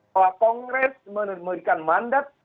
bahwa kongres memberikan mandat